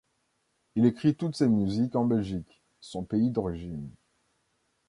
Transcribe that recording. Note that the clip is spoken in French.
Il écrit toutes ses musiques en Belgique, son pays d'origine.